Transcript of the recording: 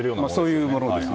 そういうものです。